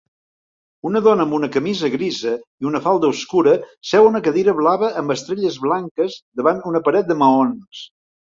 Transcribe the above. Una dona amb una camisa grisa i una falda obscura seu a una cadira blava amb estrelles blanques davant una paret de maons